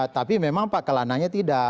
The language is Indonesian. tapi memang pak kelananya tidak